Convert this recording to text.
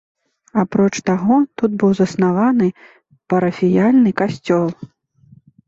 Апроч таго, тут быў заснаваны парафіяльны касцёл.